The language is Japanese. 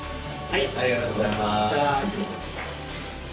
ありがとうございます。